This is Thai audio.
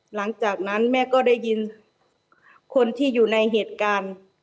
หลังจากนั้นแม่ก็ได้ยินคนที่อยู่ในเหตุการณ์